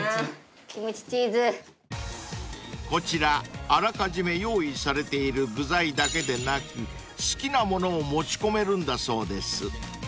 ［こちらあらかじめ用意されている具材だけでなく好きなものを持ち込めるんだそうです］